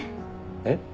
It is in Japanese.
えっ？